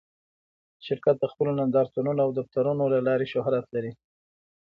شرکت د خپلو نندارتونونو او دفترونو له لارې شهرت لري.